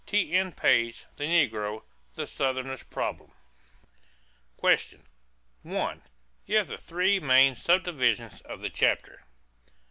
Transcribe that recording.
T.N. Page, The Negro, the Southerner's Problem. =Questions= 1. Give the three main subdivisions of the chapter.